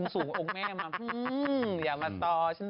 ผู้หญิงจริง